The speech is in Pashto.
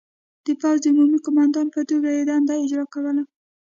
د پوځ د عمومي قوماندان په توګه یې دنده اجرا کوله.